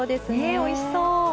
おいしそう。